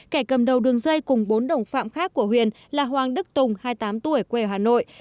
kẻ cầm đầu đường dây cùng bốn đồng phạm khác của huyền là hoàng đức tùng hai mươi tám tuổi quê ở hà nội